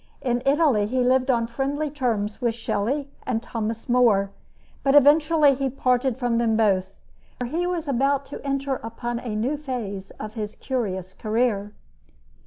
In Italy he lived on friendly terms with Shelley and Thomas Moore; but eventually he parted from them both, for he was about to enter upon a new phase of his curious career.